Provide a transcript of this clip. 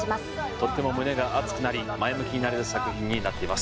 とっても胸が熱くなり前向きになれる作品になっています